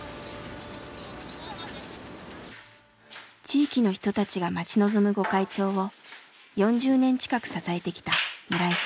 地域の人たちが待ち望む御開帳を４０年近く支えてきた村井さん。